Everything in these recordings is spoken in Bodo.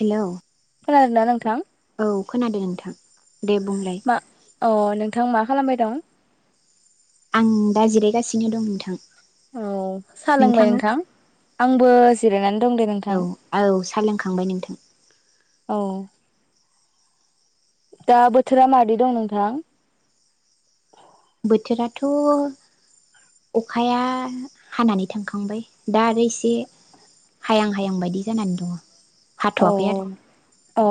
हेलौ खोनादों ना नोंथां औ खोनादों नोंथां दे बुंलाय मा अ नोंथां मा खालामबाय दं आं दा जिरायगासिनो दं नोंथां औ साहा लोंबाय नोंथाङा नोंथां आंबो जिरायनानै दं दे नोंथां औ औ साहा लोंखांबाय नोंथां औ दा बोथोरा मादै दं नोंथां बोथोराथ' अखाया हानानै थांखांबाय दा आरो एसे हायां हायां बायदि जानानै दङ' औ हाथ'वाखै आरो औ अ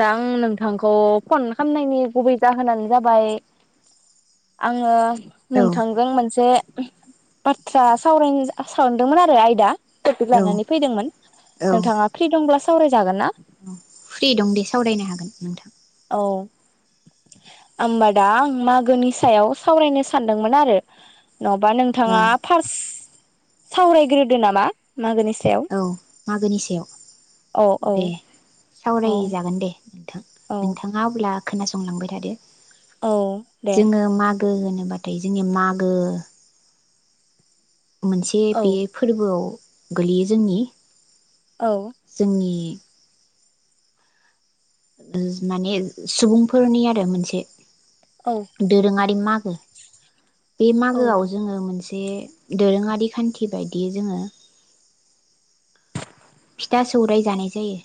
दा आं नोंथांखौ फन खालामनायनि गुबै जाहोनानो जाबाय आङो औ नोंथांजों मोनसे बाथ्रा सावरायनो सानदोंमोन आरो आयदा टपिक औ लानानै फैदोंमोन नोंथाङा फ्रि दंब्ला सावरायजागोन ना? औ फ्रि दं दे सावरायनो हागोन नोंथां औ होबबा दा आं मागोनि सायाव सावरायनो सानदोंमोन आरो नङाबा औ नोंथाङा फारस सावरायग्रोदो नामा मागोनि सायाव औ मागोनि सायाव औ औ दे औ सावरायजागोन दे थां औ नोंथाङा अब्ला खोनासंलांबाय थादो औ दे जोङो मागो होनो बाथाय जोंनिया मागो मोनसे औ बे फोरबोआव गोलैयो जोंनि औ जोंनि माने सुबुंफोरनि आरो मोनसे औ दोरोङारि मा गो [unintelligible] बे औ मागोआव जोङो मोनसे जे दोरोङारि खान्थि बायदियै जोङो फिथा सौराय जानाय जायो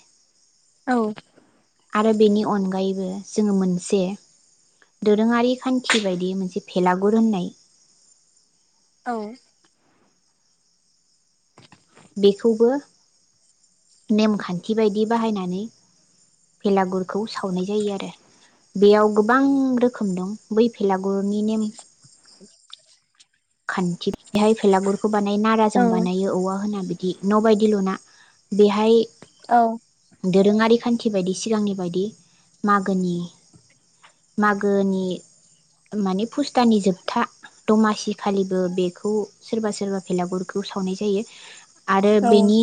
औ आरो बेनि अनगायैबो जोङो मोनसे दोरोङारि खान्थि बायदि मोनसे भेलागुर होननाय औ बेखौबो नेमखान्थि बायदि बाहायनानै बेलागुरखौ सावनाय जायो आरो । बेयाव गोबां रोखोम दं बै फेला गुरनि नेम खान्थि बेहाय फेलागुर खौ बानायो नारा औ जों औ बानायो औवा होनानै दि न'बायदि लुना बेहाय औ दोरोङारि खान्थि बायदि सिगांनि बायदि मागोनि मागोनि माने फुस्तानि जोबथा दमासि खालिबो बेखौ सोरबा सोरबा फेलागुरखौ सावनाय जायो। आरो बेनि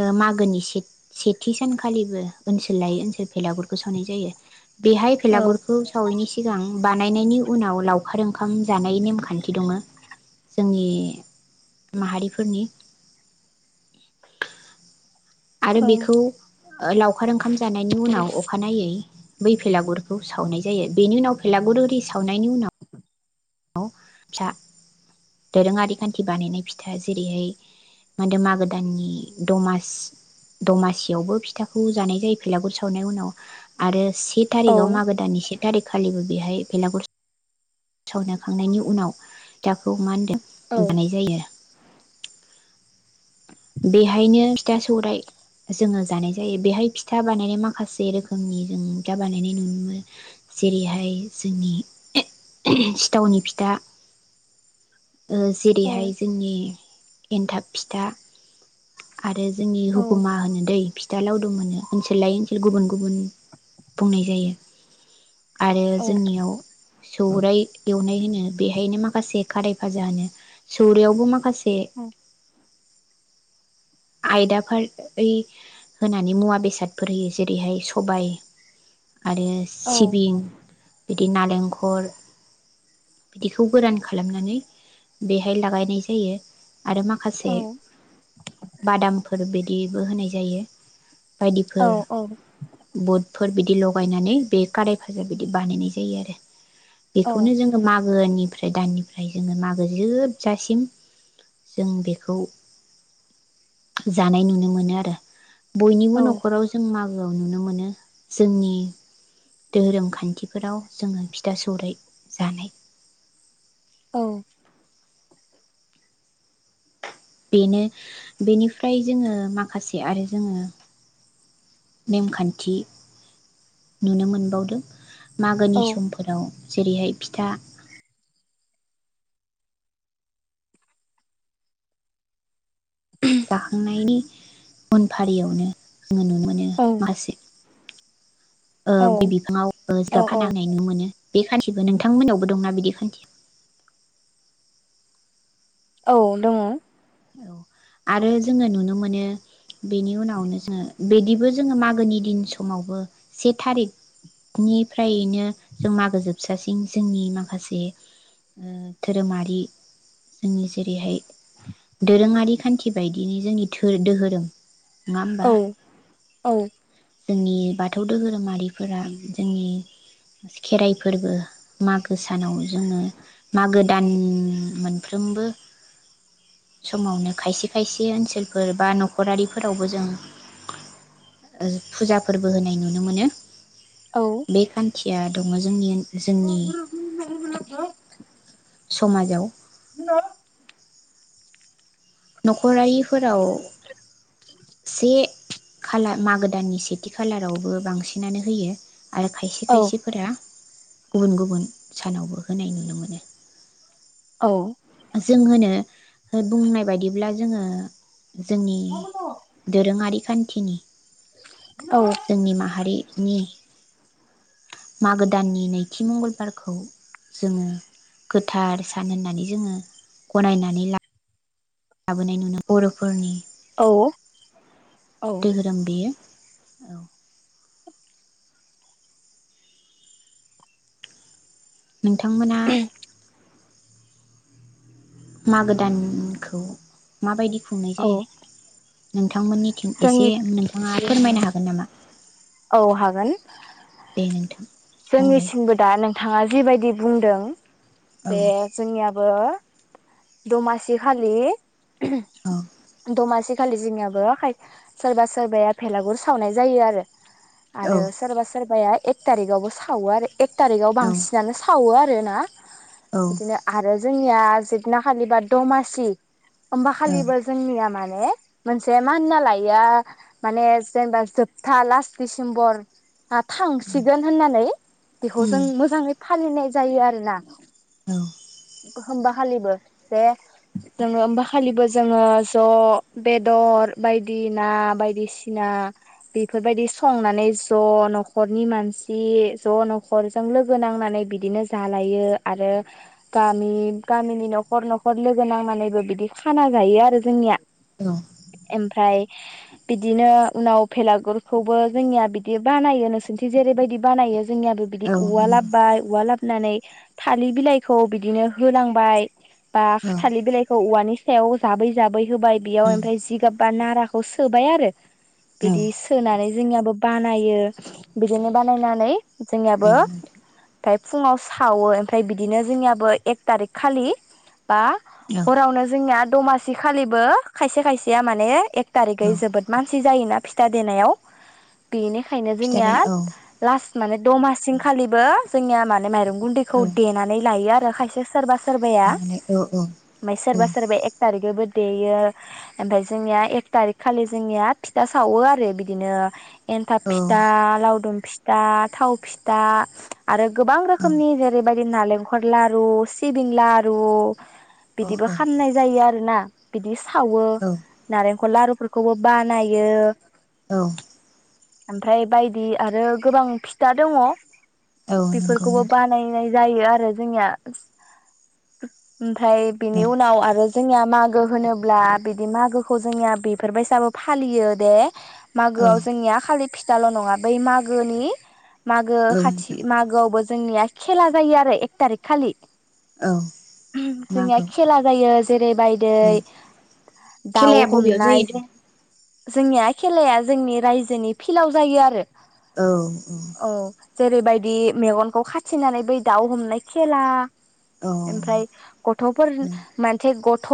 ओ मागोनि से सेथि सानखालिबो ओनसोल लायै ओनसोल फेलागुरखौ सावनाय जायो बेहाय औ दङ फेलागुरखौ सावैनि सि सिगां बानायनायनि उनाव लावखार ओंखाम जानाय नेमखान थि दङो जोंनि माहारिफोरनि। आरो बेखौ लावखार ओंखाम जानायनि उनाव अखानायै बै फेलागुरखौ सावनाय जायो बेनि उनाव भेलागुर ओरि सावनायनि उनाव फिसा दोरोङारि खान्थि बानायनाय फिथा जेरैहाय मादो मागो दाननि दमास दमासियावबो फिथाखौ जानाय जायो फेलागुर सावनाय उनाव आरो से औ थारिखआव मागो दाननि से थारिखखालिबो बेहाय बेेलागुर सावनो खांनायनि उनाव फिथाखौ मा होनदों औ मोनजानाय जायो बेहायनो फिथा सौराइ जोङो जानाय जायो बेहाय फिथा बानायनाय माखासे रोखोमनि जों फिथा बानायनाय नुनो मोनो जेरैहाय जोंनि सिथावनि फिथा, ओ जेरैहाय जोंनि एनथाब फिथा आरो जोंनि हुगुमा होनो दै फि था लावदुम होनो ओनसोल लायै ओनसोल गुबुन गुबुन बुंनाय जायो आरो जोंनियाव सौराइ एवनाय इनो बेहायनो माखासे खाराय भाजा होनो सौरायावबो माखासे [unintelligible] आयदाफार रि होनानै मुवा बेसादफोर होयो जेरैहाय सबाय आरो सिबिं बिदि नालेंखर बिदिखौ गोरान खालामनानै बेहाय लागायनाय जायो आरो माखासे बादामफोर बे दिबो होनाय जायो बायदिफोर बुद फोर बिदि लगायनानै बे काराय भाजा बिदि बानायनाय जायो आरो। बेखौनो जोङो मागोनि ओमफ्राय दाननिफ्राय जोङो मागो जोबजासिम जों बेखौ जानाय नुनो मोनो आरो। बयनिबो न'खराव जों मागो नुनो मोनो जोंनि धोरोम खान्थिफोराव जोङो फिथा सौराय जानाय। औ। बेनो बेनिफ्राय जोङो माखासे आरो जोङो नेमखान्थि नुनो मोनबावदों। मागोनि समफोराव। जेरैहाय फिथा जाखांनायनि उन फारियावनो। नुनो मोनो मासे ओ गय औ बिफांआव ओ जिगाब खाना होनाय नुनो मोनो। बे खान्थिबो नोंथांमोननावबो दंना बिदि खान्थि। औ दङ। आरो जोङो नुनो मोनो बेनि उनावनो जोङो बिदिबो जोङो मागोनि दिन समावबो से थारिखनिफ्रायनो जों मागो जोबजासिन जोंनि माखासे ओ धोरोमारि जोंनि जेरैहाय दोरोङारि खान्थि बायदियैनो जोंनि धो दोहोरोम। औ औ जोंनि बाथौ दोहोरोमारिफोरा जोंनि खेराइ फोरबो मागो सानाव जोङो मागो दान मोनफ्रोमबो। समावनो खायसे खायसे ओनसोलफोर बा न'खरारिफोरावबो जों फुजा फोरबो होनाय नुनो मोनो। [inaudible] दुखिया दङ जोंनि ओ [unintelligible] समाजाव। न'खरारिफोराव से खालार मागो दाननि सेथि खालारावबो बांसिनानो होयो। आरो खायसे खायसेफोरा गुबुन गुबुन सानावबो होनाय नुनो मोनो। औ। जों होनो बुंनाय बायदिब्ला जोङो जोंनि दोरोङारि सान्थिनि। जोंनि माहारि नि मागो दाननि नैथि मंगलबारखौ जोङो गोथार सान होननानै जोङो गनायनानै ला लाबोनाय नुनो बर'फोरनि औ। औ धोरोम‌‌ बेयो। औ। नोंथांमोना मागो दानखौ माबायदि खुंनाय औ जायो? नोंथांमोनिथिं एसे जोंनि नोंथाङा फोरमायनो हागोन नामा? औ हागोन। दे नोंथां बुंलाय जोंनिसिमबो दा नोंथाङा जिबायदि बुंदों। बे औ जोंनिया बो दमासि खालि दमासि खालि जोंनियाबो खाय सोरबा सोरबाया फेलागुर सावनाय जायो आरो। औ आरो सोरबा सोरबाया एक थारिकावबो सावो आरो। एक थारिकाव औ बांसिनानो सावो आ रोना। औ बिदिनो आरो जो जोंनिया जिथना खालि बा दमासि होमबा खालिबो जोंनिया माने मोनसे मा होनना लायो माने जेनेबा जोबथा लास दिसेम्बर हा थांसिगोन होननानै बेखौ उम जों मोजाङै फालिनाय जायो आरो ना। औ। होमबा खालिबो जे जोङो होमबा खालिबो जोङो ज' बेदर बायदि ना बायदिसिना बेफोरबायदि संनानै ज' न'खरनि मानसि ज' न'खरजों लोगो नांनानै बिदिनो जालायो आरो गामि गामिनि न'खर न'खर लोगो नांनानैबो बिदि खाना जायो आरो जोंनिया। औ एमफ्राय बिदिनो उनाव भेलागुरखौबो जोंनिया बिदि बानायो नोंसोरनिथिं जेरैबायदि बानायो जोंनियाबो बिदि औ उवा नंगौ लाबोबाय औवा लाबोनानै थालिर बिलाइखौ बिदिनो होलांबाय बा औ थालिर बिलाइखौ औवानि सायाव जाबै जाबै होबाय बेयाव उम ओमफ्राय जिगाब बा नाराखौ सोबाय आरो औ बिदि सोनानै जोंनियाबो बानायो बिदिनो बानायनानै औ जोंनियाबो नोंथां ओमफ्राय फुङाव सावो ओमफ्राय बिदिनो जोंनियाबो एक थारिख खालि बा औ हरावनो जोंनिया दमासि खालिबो खायसे खायसेया माने एक औ थारिखै जोबोद मानसि जायोना फिथा देनायाव बिनि खायनो जोंनिया फिथारि औ लास माने दमासिंखालिबो जोंनिया माने माइरं औ गुन्दैखौ देनानै लायो आ रो खायसे सोरबा सोरबाया माने औ औ ओमफ्राय सोरबा सोरबाया एक थारिगैबो देयो ओमफाय जोंनिया एक थारिक खालि जोंनिया फिथा सावो आरो बि दिनो एन्थाब औ फिथा लावदुम फिथा थाव फिथा आरो गोबां रोखोमनि जेरैबायदि नालेंखल लारु सिबिं लारु औ बिदिबो औ खामनाय जायो आ रोना बिदिस सावो नारेंखल लारु फोरखौबो बानायो। औ ओमफ्राय बायदि आरो गोबां फिथा दङ। औ नंगौ बेफोरखौबो नोंथां बानायनाय जायो आरो जोंनिया ओमफ्राय बिनि उनाव आरो जोंनिया मागो होनोब्ला बिदि मागोखौ जोंनिया बेफोरबायसाबो फालियो दे। औ मागोआव जोंनिया खालि फिथाल' नङा बै मागोनि मागो औ खाथि नोंथां मागोआवबो जोंनिया खेला जायो आरो एक थारिख खालि औ जोंनिया मागो खेला जायो [unintelligible] बाय दै औ दाउ खेलाया बबेयाव हमनाय जायो जोंनिया खेलाया जोंनि रायजोनि फिल्डआव जायो आरो औ औ औ जेरैबायदि मेगनखौ खाथिनानै बै दाउ हमनाय खेला औ ओमफ्राय गथ'फोर औ मानसे गथ'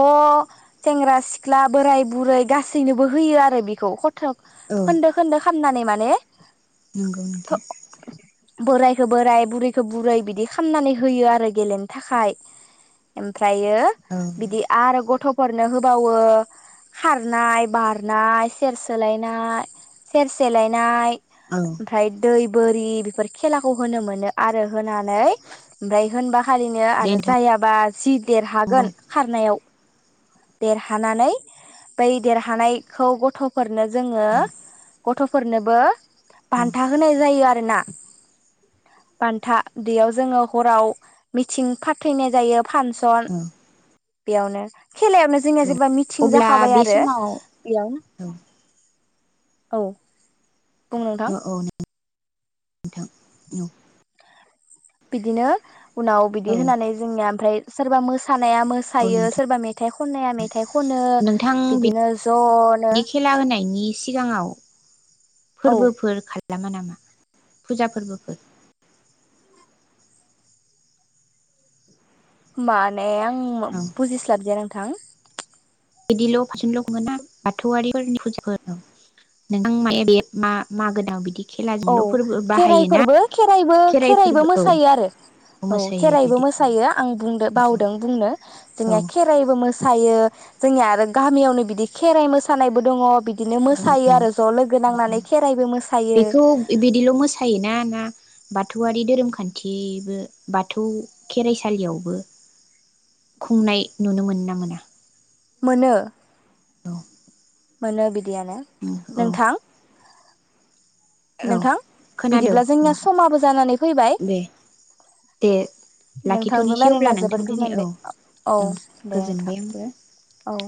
सेंग्रा सिख्ला बोराय बुरै गासैनोबो होयो आरो बेखौ खोन्दो औ खोन्दो खालामामनानै माने नंगौ नोंथां बोरायखौ बोराय बुरैखौ बुरै बिदि खालामामनानै होयो आरो गेलेनो थाखाय एमफ्रा जायो औ बिदि आरो गथ' गथ'फोरनो होबावो खारनाय बारनाय सेर सोलायनाय सेर सेलायनाय औ ओमफ्राइ दै बोरि बेफोर खेलाखौ होनो मोनो आरो होनानै ओमफ्राय होनबा फारिनो दे आरो नोंथां जायाबा जि देरहागोन बुं खारनायाव देरहानानै बै देरहानायखौ गथ'फोरनो जोङो औ गथ'फोरनोबो औ बान्था होनाय जायो आरो आरोना बान्था बैयाव जोङो हराव मिथिं फाथिनाय जायो फांसन औ बेयावनो खेलायावनो जोंनि बा मिथिं अब्ला जाखाबाय बे आरो समाव बेयाव औ औ बुं नोंथां औ औ नोंथां औ बिदिनो उनाव बिदि औ होनानै जोंनिया ओमफ्राय सोरबा मोसा मोसानाया औ मोसायो नोंथां सोरबा मेथाइ खननाया मेथाइ खनो नोंथां बिदिनो जनो बिदि खेला होनायनि सिगाङाव औ फोरबोफोर खालामा नामा फुजा फोरबोफोर। माने आं औ बुजिस्लाबदिया नोंथां। [inaudible] [unintelligible] बिदिल' फारसेल' खङोन ना बाथौआरिफोरनि फुजाखौ नोंथां म बे मा माागोोनान बिदि [inaudible] [unintelligible] औ फोरबो बाहायोना खेराइफोरबो खेराइबो खेराइ खेराइबो फोरबो मोसायो औ आरो औ मोसायो खेराइबो बिदि मोसायो आं बावदों बुंनो औ जोंनिया खेराइबो मोसायो। जोंनिया आरो गामियावनो बिदि खेराइ मोसानायबो दङ बिदि बिदिनो दङ मोसायो औ आरो ज' लोगो नांनानै खेराइबो मोसायो। बेखौ बिदिल' मोसायोना ना बाथौआरि धोरोम खान्थिबो बाथौ खेराइसालियावबो खुंनाय नुनो मोनो ना मोना? मोनो दं। मोनो बिदि बिदियानो, नोंथां? औ नोंथां खोनादौ बिदिब्ला जोंनिया नोंथां समाबो जानानै फैबाय, दे दे नोंथांजों लाखिथ'नोसै रायज्लायना अब्ला ना जोबोद नोंथां गोजोन दिनै नाय औ मोनबाय ओं औ दे नोंथां। गोजोनबाय आंबो औ।